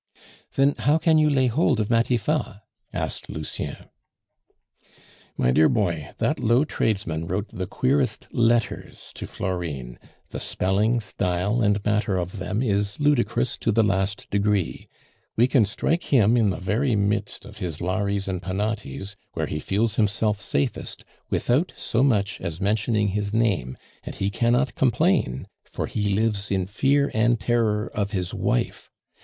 "Then how can you lay hold of Matifat?" asked Lucien. "My dear boy, that low tradesman wrote the queerest letters to Florine; the spelling, style, and matter of them is ludicrous to the last degree. We can strike him in the very midst of his Lares and Penates, where he feels himself safest, without so much as mentioning his name; and he cannot complain, for he lives in fear and terror of his wife.